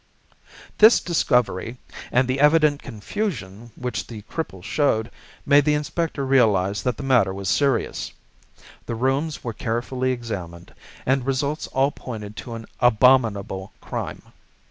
"This discovery, and the evident confusion which the cripple showed, made the inspector realise that the matter was serious. The rooms were carefully examined, and results all pointed to an abominable crime.